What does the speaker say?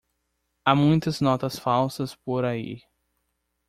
Há muitas notas falsas por aí.